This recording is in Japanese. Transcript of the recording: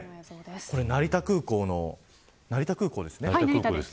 これ成田空港ですね。